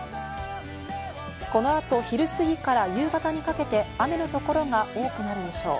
このあと昼すぎから夕方にかけて、雨のところが多くなるでしょう。